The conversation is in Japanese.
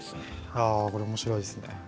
ああこれ面白いですね。